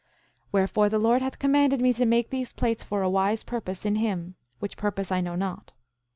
9:5 Wherefore, the Lord hath commanded me to make these plates for a wise purpose in him, which purpose I know not.